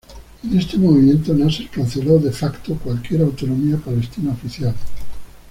En este movimiento, Nasser canceló "de facto" cualquier autonomía palestina oficial.